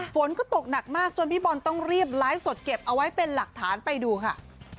ฝนก็ตกหนักมากจนพี่บอลต้องรีบไลฟ์สดเก็บเอาไว้เป็นหลักฐานไปดูค่ะ